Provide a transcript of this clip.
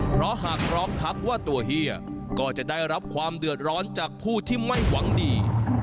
เพราะหากร้องทักว่าตัวเฮียก็จะได้รับความเดือดร้อนจากผู้ที่ไม่หวังดี